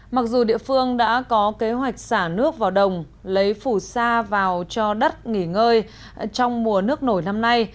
mặc dù địa phương đã có kế hoạch xả nước vào đồng lấy phù sa vào cho đất nghỉ ngơi trong mùa nước nổi năm nay